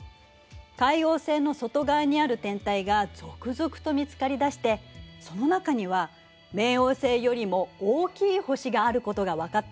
海王星の外側にある天体が続々と見つかりだしてその中には冥王星よりも大きい星があることが分かったの。